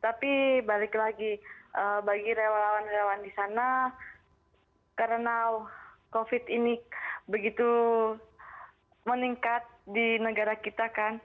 tapi balik lagi bagi relawan relawan di sana karena covid ini begitu meningkat di negara kita kan